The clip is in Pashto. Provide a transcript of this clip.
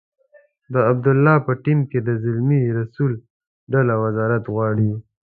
د عبدالله په ټیم کې د زلمي رسول ډله وزارت غواړي.